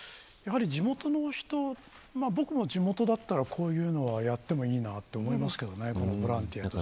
僕も地元だったらこういうのはやってもいいなと思いますけどねボランティア。